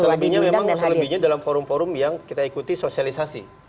selebihnya memang selebihnya dalam forum forum yang kita ikuti sosialisasi